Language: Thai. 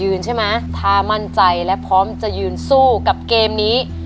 ใช่ไหมถ้ามั่นใจและพร้อมจะยืนสู้กับเกมนี้